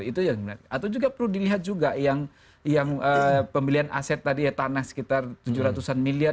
itu yang menarik atau juga perlu dilihat juga yang pembelian aset tadi ya tanah sekitar tujuh ratus an miliar